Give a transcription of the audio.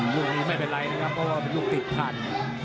ลุกนี้ไม่เป็นไรนะครับเพราะมันลุกติดทัน